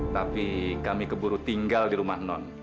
tapi kami keburu tinggal di rumah non